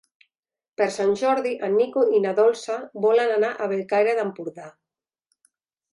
Per Sant Jordi en Nico i na Dolça volen anar a Bellcaire d'Empordà.